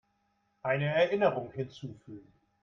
Eine Erinnerung hinzufügen.